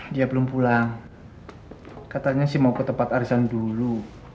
dia belum pulang katanya sih mau ke tempat arisan dulu